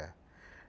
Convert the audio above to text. nah usia itu berapa